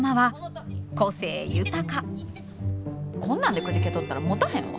こんなんでくじけとったらもたへんわ。